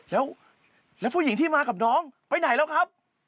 แล้วผู้หญิงที่มากับน้องไปไหนแล้วครับ